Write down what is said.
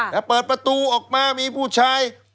แต่เปิดประตูออกมามีผู้ชาย